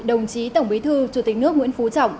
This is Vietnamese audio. đồng chí tổng bí thư chủ tịch nước nguyễn phú trọng